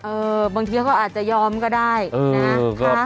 เออบางทีก็อาจจะยอมก็ได้นะฮะ